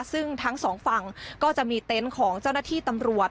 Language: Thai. ซึ่งทั้งสองฝั่งก็จะมีเต็นต์ของเจ้าหน้าที่ตำรวจ